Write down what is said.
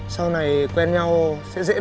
sau này quen nhau sẽ dễ nói chuyện hơn